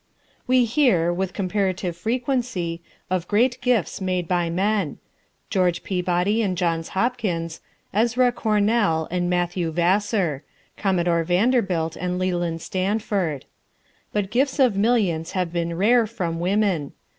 ] We hear, with comparative frequency, of great gifts made by men: George Peabody and Johns Hopkins, Ezra Cornell and Matthew Vassar, Commodore Vanderbilt and Leland Stanford. But gifts of millions have been rare from women.